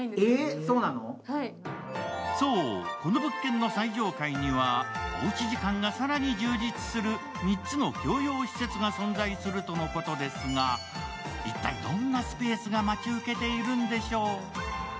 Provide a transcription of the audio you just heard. そう、この物件の最上階には、おうち時間が充実する３つの共用施設が存在するとのことですが、一体どんなスペースが待ち受けているんでしょう？